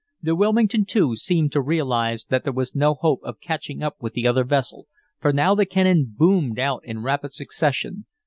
The Wilmington, too, seemed to realize that there was no hope of catching up with the other vessel, for now the cannon boomed out in rapid succession.